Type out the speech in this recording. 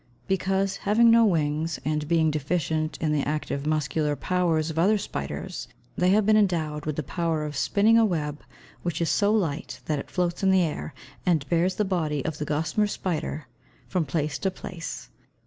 _ Because, having no wings, and being deficient in the active muscular powers of other spiders, they have been endowed with the power of spinning a web which is so light that it floats in the air, and bears the body of the gossamer spider from place to place.